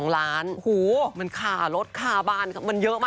๒ล้านมันขารถขาบ้านมันเยอะมากจริง